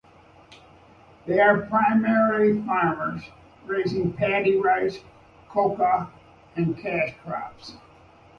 They are primarily farmers, raising paddy rice, cocoa, and cash crops.